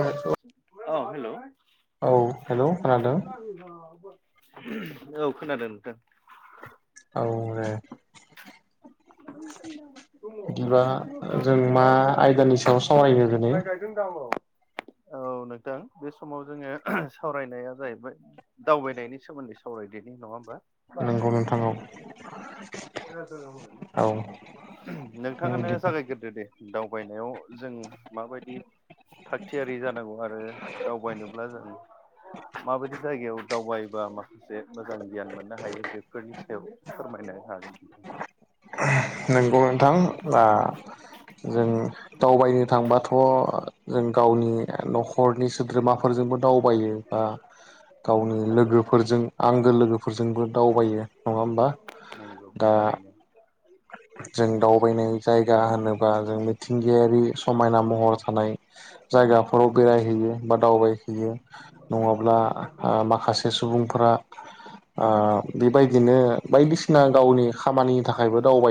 औ हेल' [unintelligible] हेलौ खोनादों [unintelligible] औ खोनादों नोंथां औ दे बिदिबा जों मा आयदानि सायाव सावरायनो दिनै [inaudible] औ नोंथां बे समाव जोङो सावरायनाया जाहैबाय दावबायनायनि सोमोन्दै सावरायदि नङा होनबा नोंगौ नोंथां औ [unintelligible] औ नोंथाङानो जागायगोरदो दे‌। दावबायनायाव जों माबायदि थागथियारि जानांगौ आरो दावबायनोब्ला जों माबायदि जायगायाव दावबायबा माखासे मोजां गियान मोननो हायो बेफोरनि सायाव फोरमायनो हागोन। [unintelligible] नंगौ नोंथां आ जों दावबायनो थांबाथ' जों गावनि न'खरनि सोद्रोमाफोरजोंबो दावबायो बा गावनि नोंगौ। लोगोफोरजों आंगो लोगोफोरजों दावबायो नङा होमबा नंगौ दा थारैनो जों दावबायनाय जायगा होनोबा जों मिथिं बिगायारि समायना महर थानाय जायगाफोराव नंगौ बेरायहैयो बा दावबायहैयो नङाब्ला ओ माखासे सुबुंफोरा ओ बेबायदिनो बायदिसिना गावनि खामानिनि थाखायबो दावबाय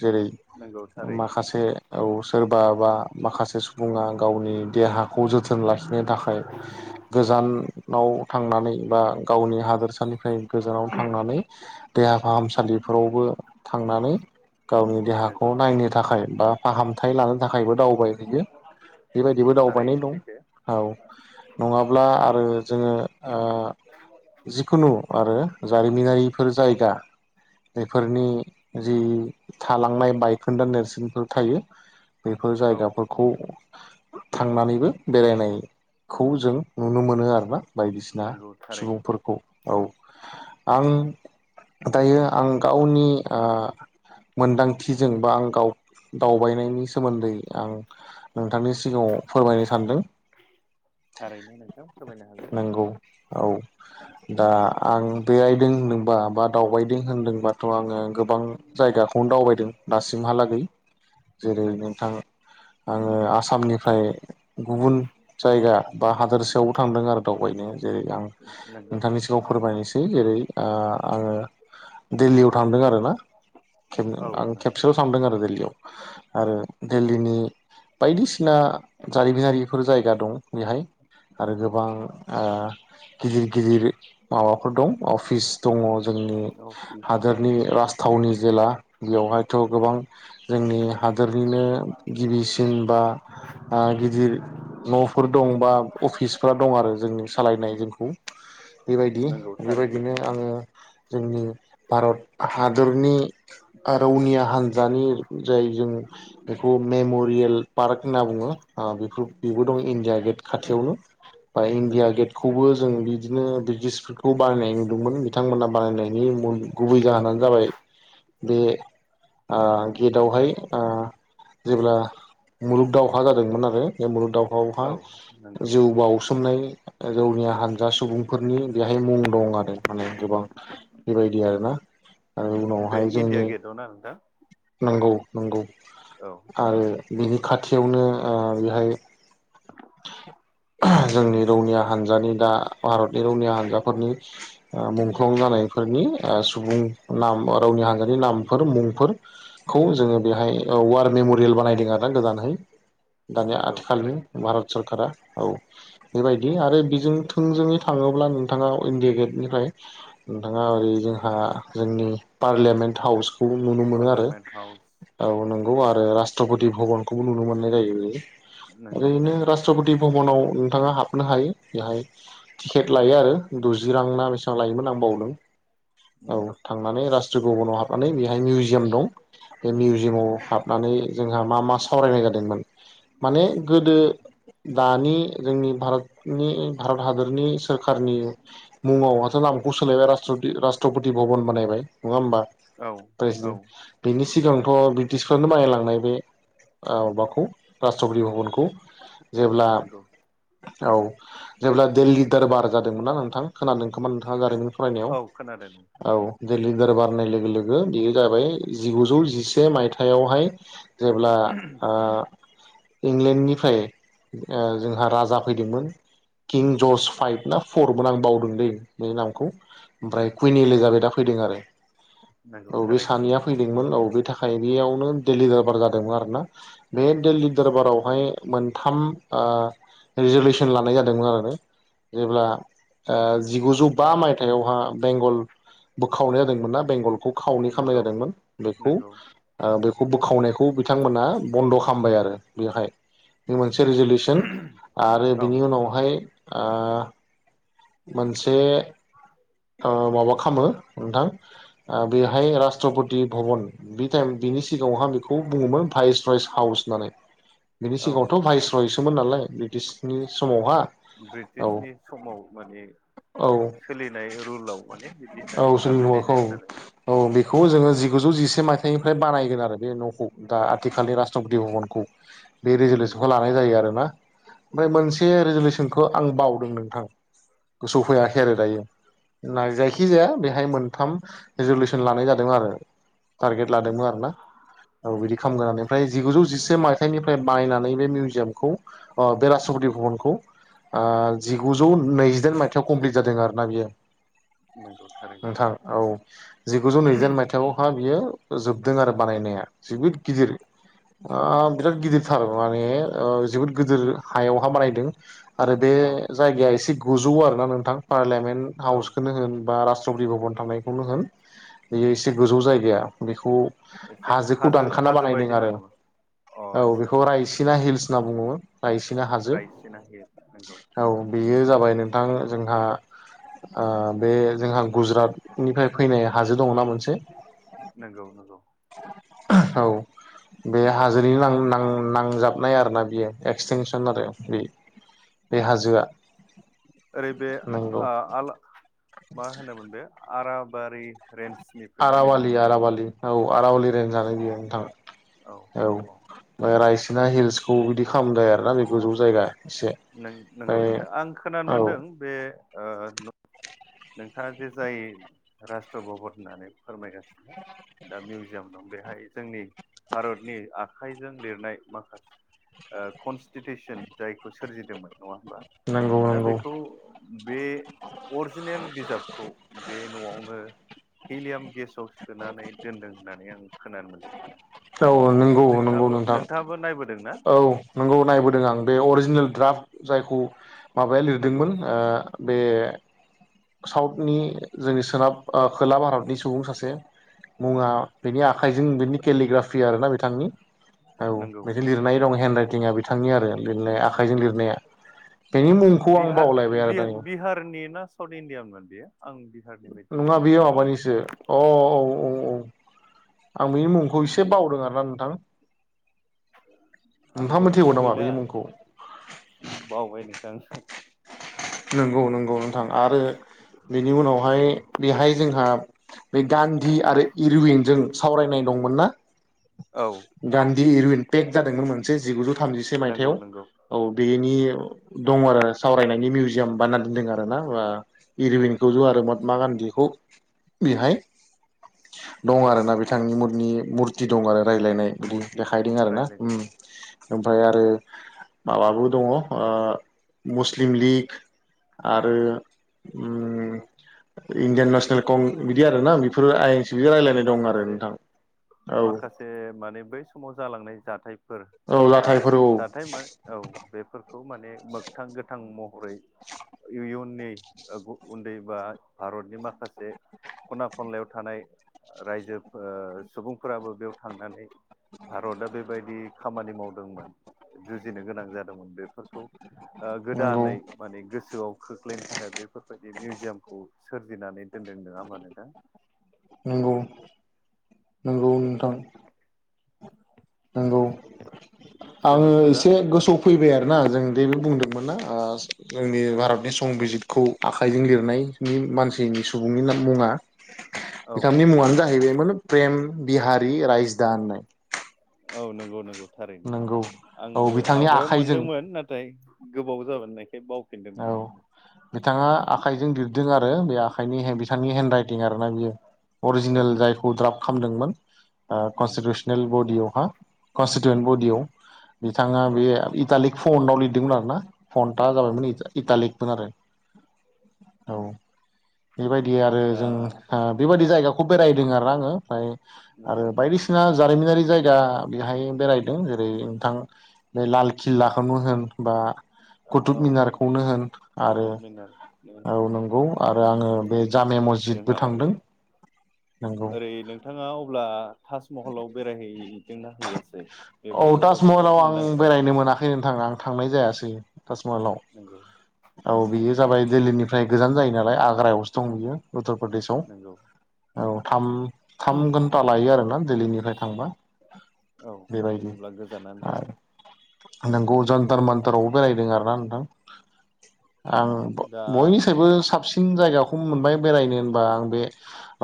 जेरै नंगौ थारैनो माखासे औ सोरबा बा माखासे सुबुङा गावनि देहाखौ जोथोन लाखिनो थाखाय गोजान आव थांनानै बा गावनि हादोरसानिफ्राय गोजानाव थांनानै देहा फाहामसा सालिफोरावबो थांनानै गावनि देहाखौ नंगौ नायनो थाखाय बा फाहामथाय लानो थाखायबो दाव बायहैयो नंगौ बेबायदिबो दावबायनाय थारैनो दं सैथो औ नङाब्ला आरो जोङो ओ जिखुनु आरो जारिमिनारि -फोर जायगा बेफोरनि जि थालांनाय बायखोन्दा नेरसोनफोर थायो बेफोर औ जायगाफोरखौ थांनानैबो बेरायनायखौ जों नुनो मोनो आरोना बायदिसिना नंगौ थारैनो सुबुंफोरखौ औ आं दायो आं गावनि ओ मोनदांथिजों बा आं दावबायनायनि सोमोन्दै आं नोंथांनि सिगाङाव फोरमायनो सानदों। नंगौ औ [unintelligible] दा आं बेरायदों होनदोंबा बा दावबायदों होनदोंबाथ' आङो गोबां जायगाखौनो दावबायदों दासिमहालागै जेरै नंगौ नोंथां आङो आसामनिफ्राय गुबुन जायगा बा हादोरसायावबो थांदों आरो दावबायनो जेरै आं नंगौ नोंथांनि सिगाङाव फोर फोरमायनोसै जेरै ओ आङो दिल्लीयाव थांदों आरोना खब औ [unintelligible] आं नोंथां खेबसेल' सानदों आरो दिल्लीयाव आरो दिल्लीनि बायदिसिना जारिमिनारिफोर जायगा दं बेहाय। आरो नंगौ गोबां ओ गिदिर गिदिर माबाफोर दं अफिस दङ जों नि अफिस हादोरनि राज गौनि जेला बेयावहायथ' गोबां जोंनि हादोरनिनो गिबिसिन बा आ गिदिर न'फोर दं बा अफिसफोरा दं आरो जोंनि सालायनाय जोंखौ। बेबायदि नंगौ थारैनो बेबायदिनो आङो जोंनि भारत हाद दरनि रौनिया हान्जानि जाय जों बेखौ मेमरियेल पार्क होनना बुङो। बेफोर बेबो दं इण्डिया गेट खाथियावनो। बा इण्डिया नंगौ गेटखौबो जों बिदिनो ब्रिटिशफोरखौ बानायनाय नुदोंमोन बिथांमोना बानायनायनि गुबै जाहोनानो जाबाय बे ओ गेटआवहाय ओ जेब्ला मुलुग दावहा जादोंमोन आरो बे मुलुग दावहा औ नंगौ बावहा जौ बासोमनाय जौनिया हानजा सुबुंफोरनि बेहाय मुं दं। माने गोबां बेबायदि आरोना। आरो बे इण्डिया गेटआव ना नोंथां? नंगौ-नंगौ औ आरो बिनि खाथियावनो बेहाय जोंनि रौनिया हानजानि दा भारतनि रौनिया हानजा फोरनि मुंख्लं जानायफोरनि सुबुं नाम रौनिया हान्जानि नामफोर फोर खौ जोङो बेवहाय वार मेमरियेल बानायदों आरोना गोदानहै। दानिया नंगौ आथिखालनि थारैनो सरखारा औ बेबायदि आरो बेजों थोंजोङै थाङोब्ला नोंथाङा इण्डिया गेटनिफ्राय नोंथाङा ओरै जोंहा जोंनि पार्लियामेन्ट हाउस खौ नुनो मोनो आरो पार्लामेन्ट हाउस औ नों गौ आरो रास्ट्रपति भबनखौबो नुनो मोननाय जायो। नंगौ ओरैनो रास्ट्रपति भबनाव नोंथाङा हाबनो हायो बेहाय टिकेट लायो आरो द'जि रां ना बेसे बेसां लायोमोन आं बावदों। औ नंगौ थांनानै रास्ट्र भबनाव हाबनानै बेहाय मिउजियाम दं बे मिउजियामाव हाबनानै जोंहा मा मा सावरायनाय जादोंमोन माने गोदो दानि जोंनि भारतनि भारतनि हादरनि सोरखारनि मुङावहाथ' नामखौ सोलायबाय राष्ट्रपति भबन बानायबाय नङा होमबा? औ औ प्रेसिडेन्ट बिनि सिगांथ' ब्रिटिसफ्रानो बनायलांनाय बे माबाखौ राष्ट्रपति भबनखौ जेब्ला नंगौ औ जेब्ला दिल्ली दरबार जादोंमोनना नोंथां खोनादों खोमा नोंथाङा नों जारिमिन फरायनायाव औ खोनादों नोंथां औ जे लिदार बारनाय लोगो लोगो बेयो जाबाय जिगुजौ जिसे मायथाइयावहाय जेब्ला ओ इंलेण्डनि निफ्राय ओ जोंहा राजा फैदोंमोन। किं जर्स फाइभ ना फरमोन आं बावदों दै बे नामखौ ओमफ्राय कुइन एले जाबाय दा फै दों आरो नंगौ औ बे थारैनो सानैया फैदोंमोन औ बे थाखायनियावनो दिल्ली दरबार जादोंमोन आरोना बे दिल्ली दरबारावहाय मोनथाम रिजलेउसन लानाय जादोंमोन आरो। जेब्ला जिगुजौ बा मायथायाववहा बेंगल बोखावनाय जादोंमोन ना बेंगलखौ खावनै खालामनाय नंगौ जादोंमोन बेखौ नंगौ बे खौ बोखावनायखौ बिथांमोना बन्द' खालामबाय आरो बेहाय। बे मोनसे रेजुलिउसन आरो औ बिनि उनावहाय ओ मोनसे ओ माबा खालामो नोंथां बेहाय राष्ट्रपति भबन बे टाइम बिनि सिगाङावहा बेखौ बुङोमोन भाइस राइस हाउस होननानै। बिनि औ सिगाङावथ' नंगौ भाइस रयसोमोन नालाय ब्रिटिशनि समावहा औ ब्रिटिशनि समाव माने औ सोलिनाय रुलाव माने बिदि औ होननानै गाबज्रिनाय जायामोन आरो। बेखौ जोङो जि गुजौ जिसे मायथाइनिफ्राय बानायगोन आरो बे न'खौ दा आथिखालनि रास्ट्रपति भबनखौ बे रिजुलेसनखौ नंगौ लानाय जायो आरोना। ओमफ्राय मोनसे रिजुलेसनखौ आं बावदों नोंथां। गोसौआव फैयाखै आरो दायो। ना जायखिजाया बेहाय मोनथाम रेजलिउसन लानाय जादों आरो। टारगेट नंगौ लादोंमोन आरो ना औ बिदि खालामगोन होननानै ओमफ्राय जिगुजौ जिसे मायथाइनिफ्राय बायनानैनो बे मिउजियामखौ बे रास्ट्रपति भबनखौ। आ जिगुजौ नैजिदाइन मायथाइाव कमप्लिट जादों आरो ना बियो। नंगौ थारैनो नोंथां औ जिगुजौ नैजिदाइन मायथायावहा बियो जोबदों आरो बानायनाया। जोबोद गिदिर। ओ बिराद गिदिरथार माने जोबोद गिदिर हायावहा बानायदों। आरो बे औ जायगाया एसे गोजौ आरो ना नोंथां पार्लियामेन्ट औ हाउसखौनो होनबा रास्ट्रपटि भबन थांनायखौनो होन बेयो एसे गोजौ जायगाया बेखौ। एसे हाजोखौ हाजो दानखाना हाजो बानायदों बायदि हां आरो। नामा अ औ आदसा बेखौ रायसिना हिल्स होनना बुङो रायसिना हाजो। रायसिना हिल नंगौ औ बेयो जाबाय नोंथां जोंहा आ बे जोंहा गुजरातनिफ्राय फैनाय हाजो दङ ना मोन नंगौ नंगौ औ बे हाजोनि नां नां नांजाबनाय आरोना। बेयो एक्सटेनसन आरो बे बे हाजोआ ओरै बे नंगौ आ मा होनोमोन बे आराबारि रेन्जनिफ्राय फैनाय आराबालि नामा बे आराबालि औ आरवालि रेन्जआनो बियो नोंथां। औ ओमफ्राय रायसिना हिल्सखौ बिदि खालामदों आरोना बे गोजौ जायगा एसे नों नंगौ ओमफ्राय नोंथां आं खोनानो औ मोनदों बे ओ। नोंथाङा जे जाय राष्ट्र भबन होननानै फोरमायगासिनो दा मिउजियाम बेहाय जोंनि भारतनि आखाइजों लिरनाय माखासे ओ कन्स स्टिटिउसन जायखौ सोरजिदोंमोन। नङा होनबा नंगौ दा नंगौ बेखौ बे अर जिनेल बिजाबखौ बे न'आवनो हिलियाम गेसाव सोनानै दोनदों होननानै आं खोनानो मोनदों। नोंथां औ नंगौ नंगौ नोंथाङाबो नोंथां नोंथाङाबो नायबोदोंना औ नंगौ नायबोदों आं बे अरिजिनेल द्राफ्ट जायखौ माबाया नंगौ लिरदोंमोन ओ बे साउथनि जोंनि सोनाब खोला भारतनि सुबुं सासे मुङा बिनि आखाइजों बिनि केलिग्राफि आरोना बिथांनि। औ नंगौ मोनसे लिरनाय दं हेन्दड राइटिंआ बिथांनि आरो लिरनाय आ आखाइजों लिरनाया। ओ बेनि मुंखौ आं बावलायबाय आरो दा नै [inaudible] इणडिया होनबा बियो नङा बेयो माबानिसो अ औ औ आं बेनि मुंखौ एसे हिन्दीयाव बावदों आरो ना नोंथां नोंथाङा आंबो मिथिगौ गोसोआव नामा गैला बेनि मुंखौ बावबाय नोंथां नंगौ नंगौ नोंथां आरो बेनि उनावहाय बेहाय जोंहा बे गान्धी आरो इरुइनजों सावरायनाय दंमोन ना औ बे इरुइन पेक जादोंमोन मोनसे जिगु थामजसे मायथायाव नंगौ नंगौ औ बे नि दं आरो सावरायनायनि मिउजि याम बानायना दोनदों आरोना आ इरुविनखौ ज' आरो महात्मा गान्धीखौ बेहाय दं आरो ना बिथांनि मनि मुरथि दं आरो रायजलायनाय बिदि मुरथि देखायदों आरो ना ओ रायलायनायनि ओमफ्राय आरो माबाबो दङ ओ मुस्लिम लिग आरो ओम इण्डियान नेसनेलकं बिदि आरो ना बेफोरो आय माखासे औ माखासे माने बै समाव जालांनाय जाथाय औ दा जाथायफोर औ जाथाय मोन औ बेफोरखौ माने मोगथां गोथां महर फाय इयुनिट ओ उन्दै बा भारतनि माखासे खना खनलायाव थानाय रायजो ओ सुबुंफोराबो बेयाव थांनानै भारतआ बेबायदि खामानि मावदोंमोन जुजिनो गोनां जादोंमोन बेफोरखौ ओ नंगौ गोदानै माने गोसोआव खोख्लैनो थाखाय बेफोरबायदि मिउजियामखौ सोरजिनानै दोनदों नङा होमबा नोंथां नंगौ नंगौ नोंथां नंगौ आङो जोबोद मोजां एसे गोसोआव फैबाय आरो ना जों दे बे बुंदोंमोन ना? ओ जोंनि ओ भारतनि संबिजितखौ आखाइजों लिरनायनि मानसिनि सुबुंनि मुङा औ बिथांनि मुङानो जाहैबायमोन प्रेम बिहारि रायज दा होननाय औ नंगौ नंगौ थारैनो नंगौ औ आंबो बिथांनि आवगायाव आखाइजों मोनदोंमोन नाथाय गोबाव जाबोनायखाय औ बावफिनदों बिथाङा आखाइजों लिरदों आरो बे आखाइनि बिथांनि हेन्ड राइटिं आरोना बियो औ अरिजिनेल जायखौ द्राफ्ट खालामदोंमोन नंगौ कनस्टिटिउसनेल बडियावहा कनस्टिटिवेन्ट बडियाव बिथाङा बे औ इटालिक फनआव लिरदोंमोन आरोना फनटा जाबाय मोन नंगौ बिदिमोन आरो औ बेबायदि आरो दा जों बेबायदि जायगाखौ बेरायदों आरो आङो ओमफय आरो नंगौ थारैनो बायदिसिना जारिमिनारि जायगा बेहाय बेरायदों जेरै नोंथां बे लाल किल्लाखोनो होन बा औ कुथुुब इनार खौनो होन आरो कुटुब मिनार औ नंगौ आरो आङो बे जामे जोंहा मस्जिदबो थांदों ओरै नंगौ ओरै नोंथाङा अब्ला ताजमहलाव बेरायहैदोंना हैयासै औ बेबोथ' ताजमहलाव जोबोद आं मुंदांखा बेरायनो मोनाखै नोंथां आं थांनाय जायासै ताजमहलाव नंगौ औ बियो जाबाय दिल्लीनिफ्राय गोजान जायो नालाय आग्रायावसो दं बियो उत्तर प्रदेशआव नंगौ औ थाम थाम घन्टा लायो आरोना दिल्लीनिफ्राय थांबा औ बेबायदि अब्ला गोजानानो जायो आरो नोंगौ जन्थार मानथारावबो बेरायदों आरोना नोंथां आं दा बयनिसायबो साबसिन बांसिन जायगाखौनो मोनबाय बेरायनो होनबा आं बे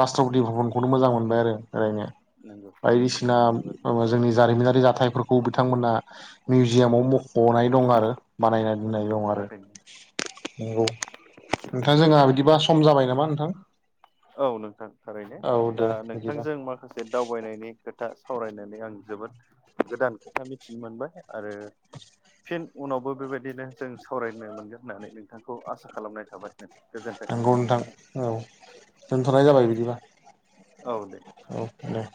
रास्ट्रपति भबनखौनो मोजां मोनबाय आरो बेरायनो नंगौ बायदिसिना जोबोद मोजां जोंनि जारिमिनारि जाथाय फोरखौ बिथांमोनहा मिउजियामाव मखनाय दं आरो बानायना दोननाय नंगौ दं आरो थारैनो नंगौ नोंथां जोंहा बिदिबा सम जाबाय नामा नोंथां औ नोंथां थारैनो औ दे दा बिदिबा नोंथांजों माखासे दावबायनायनि खोथा सावरायनानै आं जोबोद गोदान खोथा मिथिनो मोनबाय आरो फिन उनावबो बेबायदिनो जों सावरायनो मोनगोन होननानै नोंथांखौ आसा खालामनाय थाबाय। नोंथां गोजोन्थों नंगौ नोंथां औ दोनथ'नाय जाबाय बिदिबा औ दे औ दे